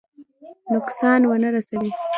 نقصان ونه رسوي.